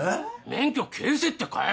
免許返せってかい？